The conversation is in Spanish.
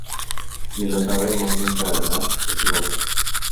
ni lo sabremos nunca, ¿ verdad? te equivocas